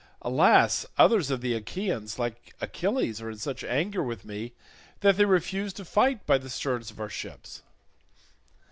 Alas! others of the Achaeans, like Achilles, are in such anger with me that they refuse to fight by the sterns of our ships."